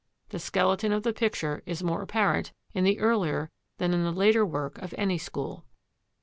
The skeleton of the picture is more apparent in the earlier than the later work of any school.